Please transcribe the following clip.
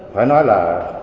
phải nói là